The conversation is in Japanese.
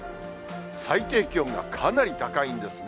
最低気温がかなり高いんですね。